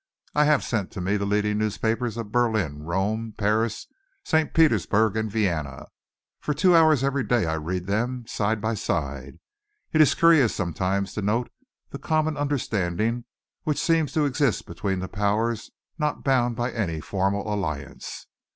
I have sent to me the leading newspapers of Berlin, Rome, Paris, St. Petersburg, and Vienna. For two hours every day I read them, side by side. It is curious sometimes to note the common understanding which seems to exist between the Powers not bound by any formal alliance.